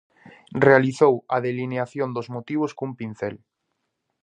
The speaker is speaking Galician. Realizou a delineación dos motivos cun pincel.